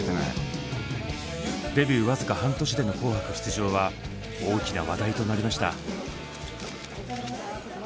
デビュー僅か半年での「紅白」出場は大きな話題となりました。